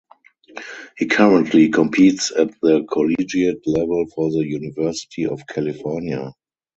He currently competes at the collegiate level for the University of California.